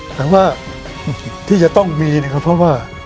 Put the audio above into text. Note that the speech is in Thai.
แต่ว่าที่จะต้องมีนะครับเพราะว่า